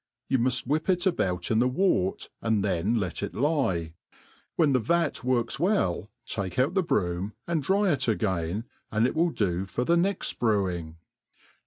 You nkuft whip ii about in the wort, and then k.t it lie; when the vat works well, take out the brooo, and dry it agaio^ and it will do for the next brewing.